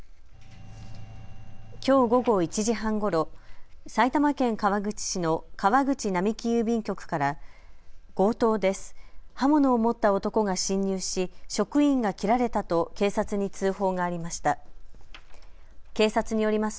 きょう午後１時半ごろ、埼玉県川口市の川口並木郵便局から強盗です。